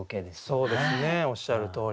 そうですねおっしゃるとおり。